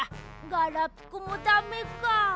ガラピコもだめか。